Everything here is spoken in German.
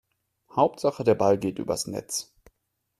Hauptsache der Ball geht übers Netz.